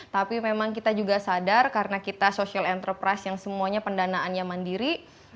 tapi memang kita juga sadar karena kita social enterprise yang semuanya pendanaannya mandiri